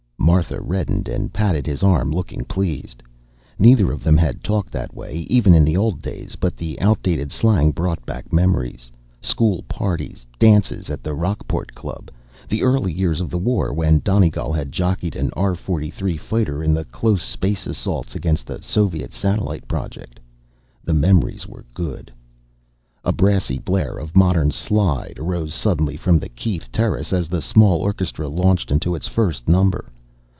Martha reddened and patted his arm, looking pleased. Neither of them had talked that way, even in the old days, but the out dated slang brought back memories school parties, dances at the Rocketport Club, the early years of the war when Donegal had jockeyed an R 43 fighter in the close space assaults against the Soviet satellite project. The memories were good. A brassy blare of modern "slide" arose suddenly from the Keith terrace as the small orchestra launched into its first number.